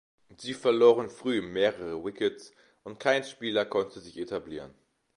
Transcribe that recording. Sie verloren früh mehrere Wickets und kein Spieler konnte sich etablieren.